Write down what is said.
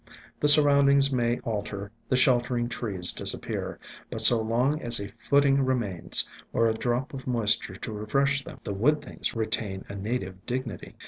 The surroundings may alter, the sheltering trees disappear, but so long as a footing remains, or a drop of moisture to refresh them, the wood things retain a native dignity.